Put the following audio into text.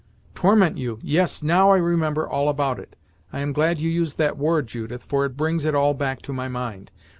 "Torment you! yes, now I remember all about it. I am glad you used that word, Judith, for it brings it all back to my mind.